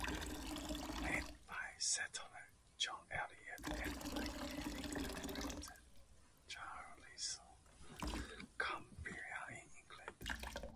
Named by settler John Eliot and likely linked to Brampton, Carlisle, Cumbria in England.